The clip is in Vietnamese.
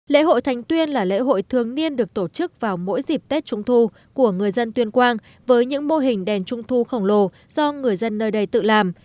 lễ hội thành tuyên là lễ hội thường niên được tổ chức vào mỗi dịp tết trung thu của người dân tuyên quang với những mô hình đèn trung thu khổng lồ do người dân nơi đây tự làm